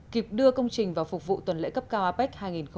kịp đưa công trình vào phục vụ tuần lễ cấp cao apec hai nghìn một mươi bảy